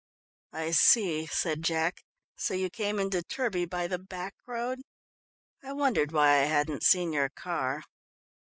"I see," said Jack, "so you came into Turbie by the back road? I wondered why I hadn't seen your car."